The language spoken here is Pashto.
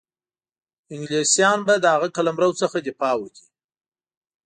انګلیسیان به د هغه قلمرو څخه دفاع وکړي.